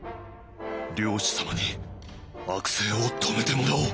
「領主様に悪政を止めてもらおう」。